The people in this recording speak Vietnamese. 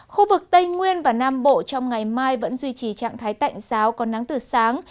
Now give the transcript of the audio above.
khu vực tây nguyên và nam bộ trong ngày mai vẫn duy trì trạng thái tạnh giáo có nắng từ sáng